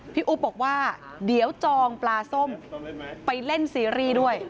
อุ๊บบอกว่าเดี๋ยวจองปลาส้มไปเล่นซีรีส์ด้วย